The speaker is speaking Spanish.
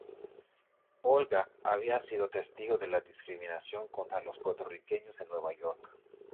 Olga había sido testigo de la discriminación contra los puertorriqueños en Nueva York.